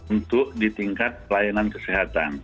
untuk di tingkat pelayanan kesehatan